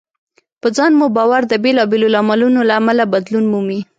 په ځان مو باور د بېلابېلو لاملونو له امله بدلون مومي.